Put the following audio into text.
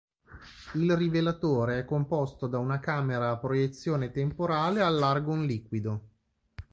Il rivelatore è composto da una camera a proiezione temporale all'argon liquido.